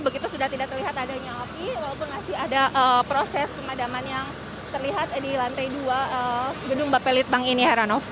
begitu sudah tidak terlihat adanya api walaupun masih ada proses pemadaman yang terlihat di lantai dua gedung bapelitbang ini heranov